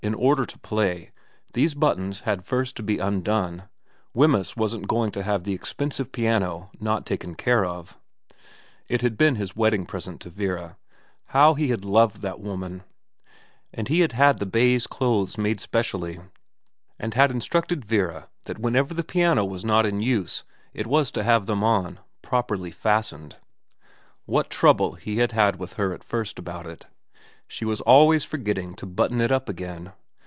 In order to play, these buttons had first to be undone, Wemyss wasn't going to have the expensive piano not taken care of. It had been his wedding present to Vera how he had loved that woman ! and he had had the baize clothes made specially, and had instructed Vera that whenever the piano was not in use it was to have them on, properly fastened. What trouble he had had with her at first about it. She was always forgetting to button it up again.